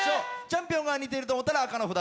チャンピオンが似ていると思ったら紅の札を。